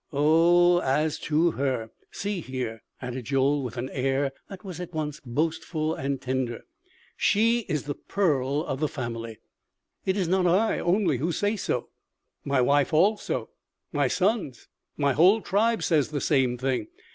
Oh, as to her!... See here," added Joel with an air that was at once boastful and tender, "she is the pearl of the family.... It is not I only who say so, my wife also, my sons, my whole tribe says the same thing.